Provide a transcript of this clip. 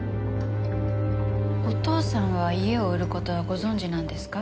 お父さんは家を売る事はご存じなんですか？